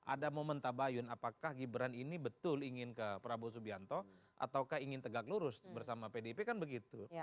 ada momen tabayun apakah gibran ini betul ingin ke prabowo subianto atau ingin tegak lurus bersama pdip kan begitu